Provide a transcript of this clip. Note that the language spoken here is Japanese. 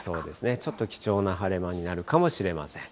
ちょっと貴重な晴れ間になるかもしれません。